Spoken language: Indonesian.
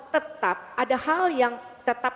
tetap ada hal yang tetap